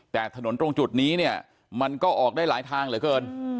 แต่ถนนตรงจุดนี้เนี่ยมันก็ออกได้หลายทางเหลือเกิน